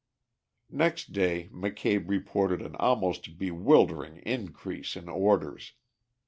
Next day McCabe reported an almost bewildering increase in orders.